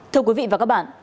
thưa quý vị và các bạn